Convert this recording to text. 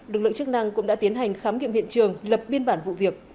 lực lượng chức năng cũng đã tiến hành khám nghiệm hiện trường lập biên bản vụ việc